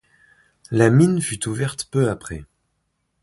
La mine fut ouverte peu après.